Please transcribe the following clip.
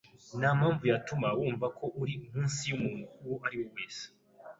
Ntampamvu yatuma wumva ko uri munsi yumuntu uwo ari we wese.